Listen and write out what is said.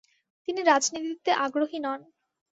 তিনি রাজনীতিতে আগ্রহী হন।